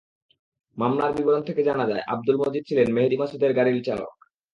মামলার বিবরণ থেকে জানা যায়, আবদুল মজিদ ছিলেন মেহেদী মাসুদের গাড়ির চালক।